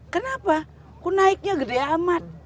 kenapa kok naiknya gede amat